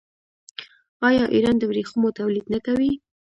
آیا ایران د ورېښمو تولید نه کوي؟